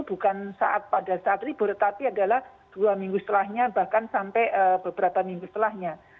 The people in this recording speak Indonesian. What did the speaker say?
bukan pada saat libur tapi adalah dua minggu setelahnya bahkan sampai beberapa minggu setelahnya